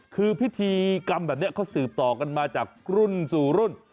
คือพิธีกรรมแบบนี้เขาสืบต่อกันมาจากรุ่นสู่รุ่น